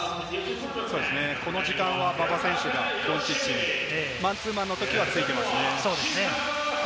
この時間は馬場選手がドンチッチにマンツーマンのときはついていますね。